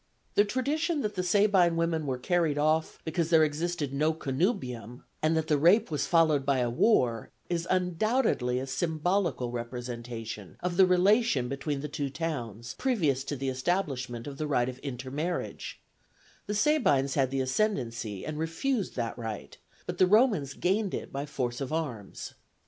The tradition that the Sabine women were carried off because there existed no connubium, and that the rape was followed by a war, is undoubtedly a symbolical representation of the relation between the two towns, previous to the establishment of the right of intermarriage; the Sabines had the ascendancy and refused that right, but the Romans gained it by force of arms.